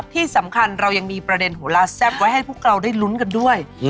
ที่สำคัญเรายังมีประเด็นโหลาแซ่บไว้ให้พวกเราได้ลุ้นกันด้วย